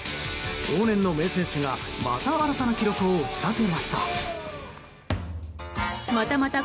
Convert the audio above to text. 往年の名選手が、また新たな記録を打ち立てました。